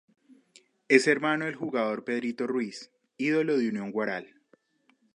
Es hermano del jugador "Pedrito" Ruiz ídolo de Unión Huaral.